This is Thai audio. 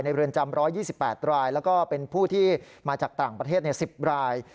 เรือนจำ๑๒๘รายแล้วก็เป็นผู้ที่มาจากต่างประเทศ๑๐ราย